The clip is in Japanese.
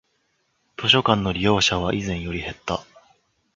図書館の利用者は以前より減った